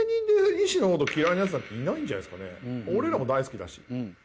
ただ俺らも大好きだし。